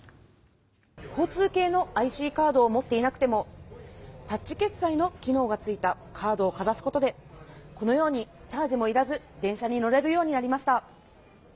「交通系ＩＣカードを持っていなくてもタッチ決済機能の付いたカードをかざすことでこのようにチャージもいらず電車に乗れるようになりました」